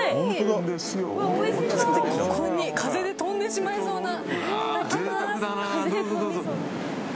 そこに風で飛んでしまいそうな。